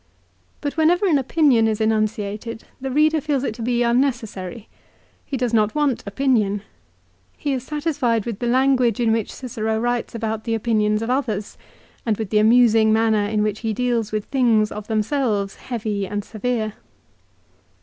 But whenever an opinion is enunciated the reader feels it to be unnecessary. He does not want opinion. He is satisfied with the language in which Cicero writes about the opinions of others, and with the amusing manner in which he deals with things of themselves heavy and severe.